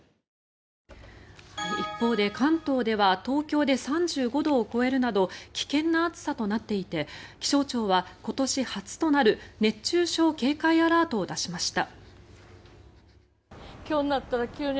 一方で、関東では東京で３５度を超えるなど危険な暑さとなっていて気象庁は今年初となる熱中症警戒アラートを出しました。